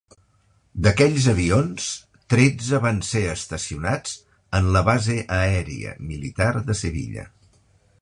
D'aquells avions, tretze van ser estacionats en la base aèria militar de Sevilla.